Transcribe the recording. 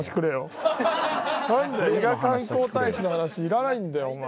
なんだよ伊賀観光大使の話いらないんだよお前。